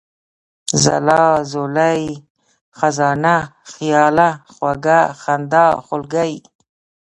ځلا ، ځولۍ ، خزانه ، خياله ، خوږه ، خندا ، خولگۍ ،